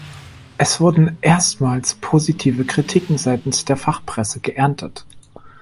Es wurden erstmals positive Kritiken seitens der Fachpresse geerntet.